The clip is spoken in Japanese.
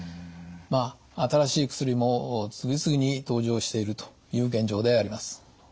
まあ新しい薬も次々に登場しているという現状であります。